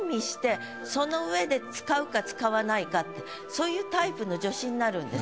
そういうタイプの助詞になるんです。